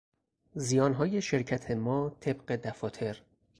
زیانهای شرکت ما طبق دفاتر